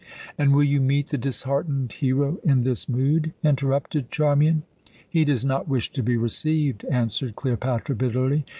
"And will you meet the disheartened hero in this mood?" interrupted Charmian. "He does not wish to be received," answered Cleopatra bitterly.